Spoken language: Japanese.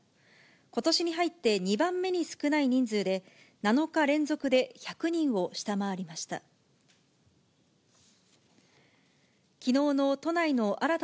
ことしに入って２番目に少ない人数で、７日連続で１００人を下回りました。